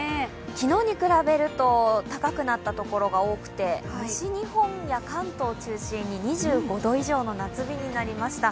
昨日に比べると高くなった所が多くて西日本や関東中心に２５度以上の夏日となりました。